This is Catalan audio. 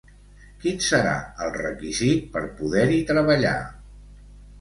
Quin serà el requisit per poder-hi treballar?